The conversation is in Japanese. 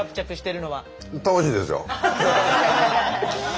楽しいですよ。